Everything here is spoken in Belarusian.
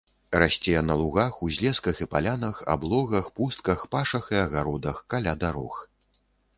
Расце на лугах, узлесках і палянах, аблогах, пустках, пашах і агародах, каля дарог.